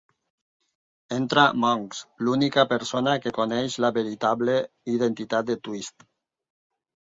Entra Monks - l'única persona que coneix la veritable identitat de Twist.